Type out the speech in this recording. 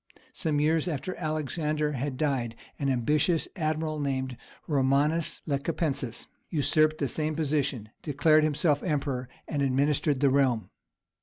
Some years after Alexander had died an ambitious admiral named Romanus Lecapenus usurped the same position, declared himself emperor, and administered the realm.